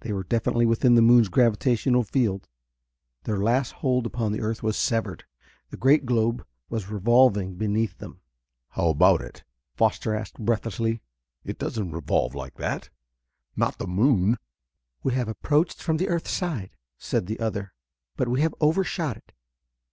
They were definitely within the moon's gravitational field; their last hold upon the earth was severed. The great globe was revolving beneath them. "How about it?" Foster asked breathlessly. "It doesn't revolve like that not the moon!" "We have approached from the earth side," said the other, "but we have overshot it.